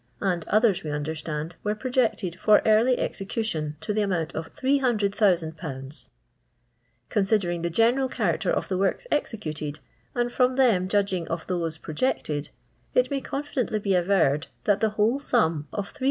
and others, we understand, were projected for early execution to the amount of 800,000/ Considering the general character of the woriu executed, and from them judging of those pro jected, it may confidently be averred that the whole sum, of 800,000